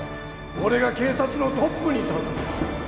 俺が警察のトップに立つんだ。